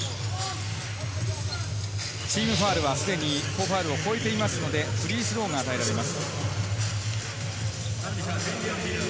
チームファウルはすでに４ファウルを超えていますので、フリースローが与えられます。